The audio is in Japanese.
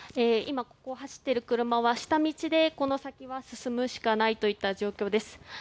今、ここを走っている車は下道でこの先は進むしかない状況です。